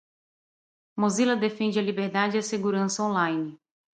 Mozilla defende a liberdade e a segurança online.